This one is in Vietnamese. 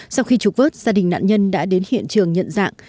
sau khi trục vớt gia đình nạn nhân đã đến hiện trường nhận dạng